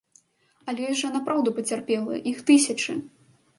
Але ёсць жа напраўду пацярпелыя, іх тысячы.